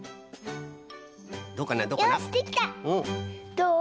どう？